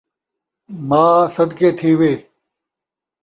ماء صدقے تھیوے